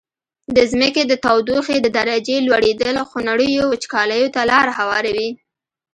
د ځمکي د تودوخي د درجي لوړیدل خونړیو وچکالیو ته لاره هواروي.